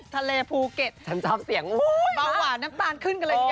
ทะเลภูเก็ตฉันชอบเสียงเบาหวานน้ำตาลขึ้นกันเลยค่ะ